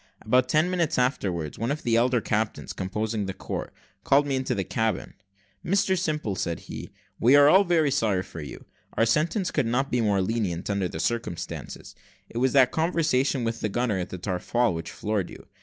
About ten minutes afterwards, one of the elder captains composing the court called me into the cabin. "Mr Simple," said he, "we are all very sorry for you. Our sentence could not be more lenient, under the circumstances: it was that conversation with the gunner at the taffrail which floored you.